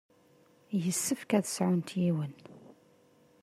Yessefk ad sɛunt yiwen.